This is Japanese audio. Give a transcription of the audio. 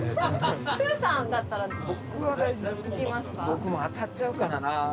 僕も当たっちゃうからな。